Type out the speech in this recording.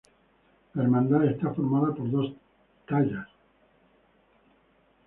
La hermandad está formada por dos tallas, Ntro.